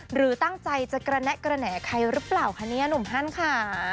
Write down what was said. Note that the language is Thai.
หรือตั้งใจจะกระแนะกระแหน่ใครหรือเปล่าคะเนี่ยหนุ่มฮันค่ะ